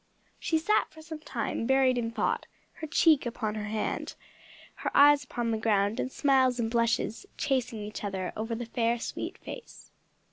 She sat for some time buried in thought, her cheek upon her hand, her eyes upon the ground, and smiles and blushes chasing each other over the fair sweet face.